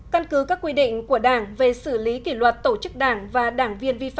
ba căn cứ các quy định của đảng về xử lý kỷ luật tổ chức đảng và đảng